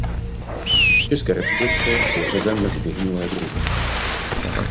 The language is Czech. V České republice je řazen mezi vyhynulé druhy.